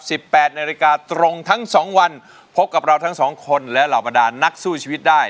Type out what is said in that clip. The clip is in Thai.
แปดนาฬิกาตรงทั้งสองวันพบกับเราทั้งสองคนและเหล่าบรรดานนักสู้ชีวิตได้